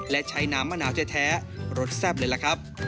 และใช้น้ำมะนาวแท้รสแซ่บเลยล่ะครับ